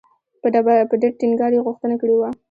په ډېر ټینګار یې غوښتنه کړې وه.